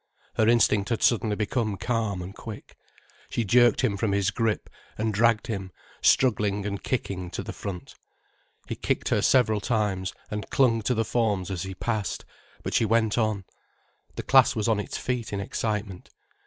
Her instinct had suddenly become calm and quick. She jerked him from his grip, and dragged him, struggling and kicking, to the front. He kicked her several times, and clung to the forms as he passed, but she went on. The class was on its feet in excitement.